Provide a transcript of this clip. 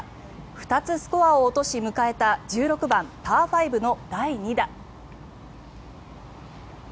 ２つスコアを落とし迎えた１６番、パー５の第２打。